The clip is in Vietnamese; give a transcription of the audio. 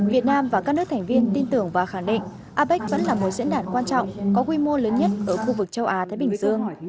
việt nam và các nước thành viên tin tưởng và khẳng định apec vẫn là một diễn đàn quan trọng có quy mô lớn nhất ở khu vực châu á thái bình dương